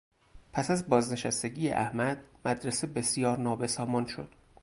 پس از بازنشستگی احمد مدرسه بسیار نابسامان شد.